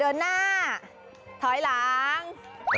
เดินหน้าถอยหลัง